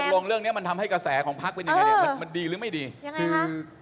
ตกลงเรื่องนี้มันทำให้กระแสของพักเป็นยังไงมันดีหรือไม่ดี